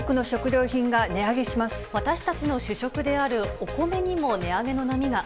私たちの主食であるお米にも値上げの波が。